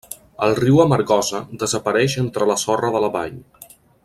El riu Amargosa desapareix entre la sorra de la vall.